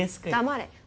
黙れ。